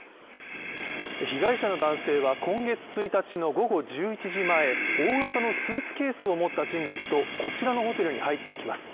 被害者の男性は今月１日の午後１１時前大型のスーツケースを持った人物とこちらのホテルに入っていきます。